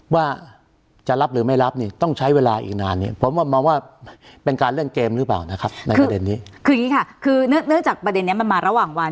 คืออย่างนี้ค่ะคือเนื่องจากประเด็นนี้มันมาระหว่างวัน